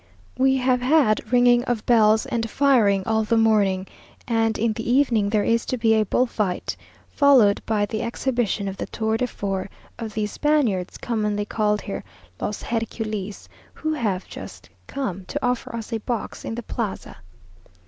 We have had ringing of bells and firing all the morning, and in the evening there is to be a bull fight, followed by the exhibition of the tours de force of these Spaniards, commonly called here "los Hercules," who have just come to offer us a box in the Plaza.